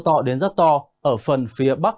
to đến rất to ở phần phía bắc